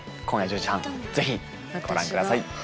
今夜１０時半ぜひご覧ください。